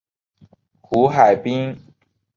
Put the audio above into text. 胡海滨。